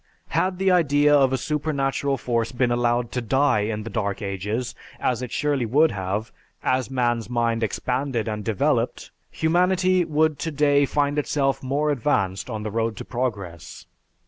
Had the idea of a supernatural force been allowed to die in the Dark Ages, as it surely would have, as man's mind expanded and developed, humanity would today find itself more advanced on the road to progress.